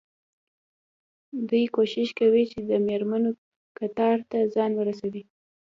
دوی کوښښ کوي چې د مېرمنو کتار ته ځان ورسوي.